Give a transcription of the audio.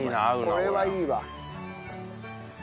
これはいいわ。